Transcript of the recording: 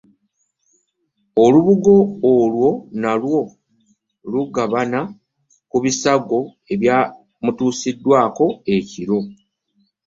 Olubugo olwo nalwo lugabana ku bisago ebyamutuusiddwako ekiro.